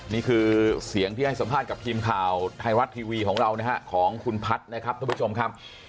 นี่คือเสียงที่ให้สัมภาษณ์กับทีมข่าวไทยรัฐทีวีของเรานะฮะของคุณพัฒน์นะครับท่านผู้ชมครับ